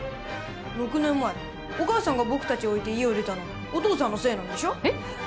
６年前お母さんが僕たちを置いて家を出たのはお父さんのせいなんでしょ？えっ？